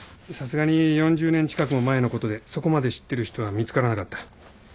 さすがに４０年近くも前のことでそこまで知ってる人は見つからなかった。